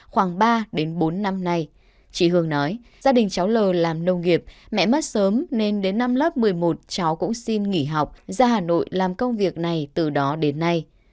khoảng ba đến bốn năm nay chị hương nói gia đình cháu l làm nông nghiệp mẹ mất sớm nên đến năm lớp một mươi một cháu cũng xin nghỉ học ra hà nội làm công việc này từ đó đến nay